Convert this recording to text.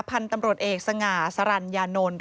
พันธุ์ตำรวจเอกสง่าสรรญานนท์